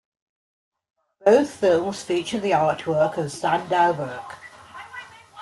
Both films feature the artwork of Sandow Birk.